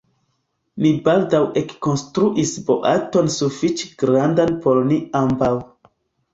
Ni baldaŭ ekkonstruis boaton sufiĉe grandan por ni ambaŭ.